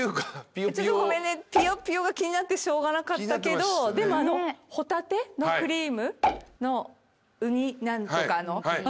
ぴよぴよが気になってしょうがなかったけどでもホタテのクリームのウニ何とかの。